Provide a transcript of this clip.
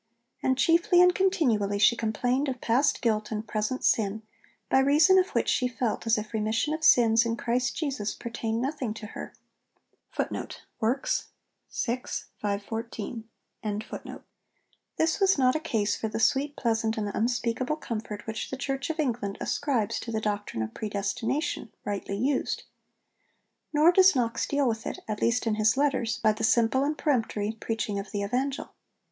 And chiefly and continually she complained of past guilt and present sin, by reason of which she felt as if 'remission of sins in Christ Jesus pertained nothing to her.' This was not a case for the 'sweet, pleasant, and unspeakable comfort' which the Church of England ascribes to the doctrine of Predestination rightly used. Nor does Knox deal with it at least in his letters by the simple and peremptory preaching of the Evangel.